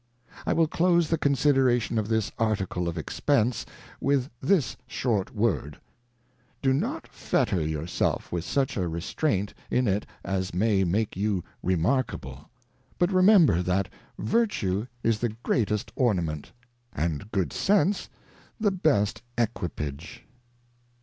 I will close the consideration of this Article of Expence, with this short word. Do not fetter your self with such a Restraint in it as may make you Remarkable ; but remember that_Ke*;/t<e is the greatest OrnamentjjmA goad Sence the best Equipage.